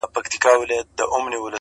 ستاله غېږي به نن څرنګه ډارېږم٫